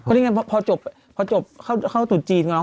ค่ะครับเพราะฉะนั้นพอจบพอจบเข้าเข้าตุ๋นจีนกันแล้วอ่า